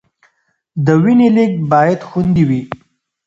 د وینې لیږد باید خوندي وي.